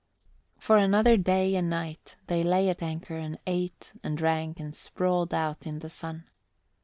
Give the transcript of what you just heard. For another day and night they lay at anchor and ate and drank and sprawled out in the sun.